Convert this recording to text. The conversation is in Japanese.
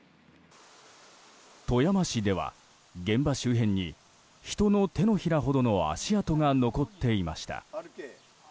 富山市では現場周辺に人の手のひらほどの足跡が残っていました。